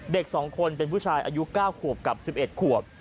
เด็ก๒คนเป็นผู้ชายอายุ๙ขวบกับ๑๑ขวบ